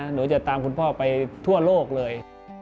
หนูจะตามคุณพ่อไปทั่วโลกเลย